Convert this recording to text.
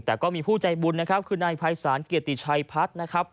แต่ก็มีผู้ใจบุญคือนายภัยศาลเกียรติชัยพัฒน์